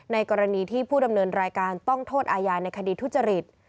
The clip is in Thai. กรณีที่ผู้ดำเนินรายการต้องโทษอาญาในคดีทุจริต